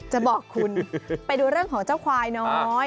จะบอกคุณไปดูเรื่องของเจ้าควายน้อย